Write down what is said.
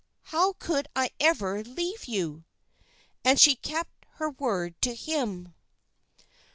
How could I ever leave you?' "And she kept her word to him."